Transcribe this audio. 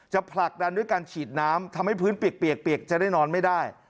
ผลักดันด้วยการฉีดน้ำทำให้พื้นเปียกจะได้นอนไม่ได้